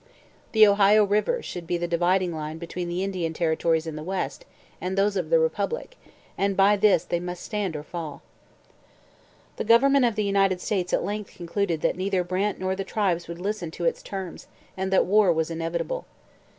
The Ohio river should be the dividing line between the Indian territories in the west and those of the republic, and by this they must stand or fall. The government of the United States at length concluded that neither Brant nor the tribes would listen to its terms and that war was inevitable.